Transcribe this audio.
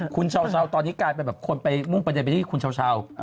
คุณชาวชาวตอนนี้กลายเป็นคนมุ่งไปไหนแต่ที่คุณชาวชาว